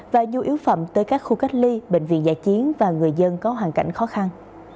và nhu yếu phẩm tới các khu cách ly bệnh viện giải chiến và người dân có hoàn cảnh khó khăn